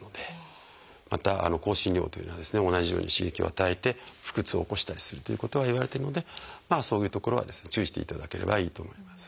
また香辛料というのは同じように刺激を与えて腹痛を起こしたりするということはいわれてるのでそういうところは注意していただければいいと思います。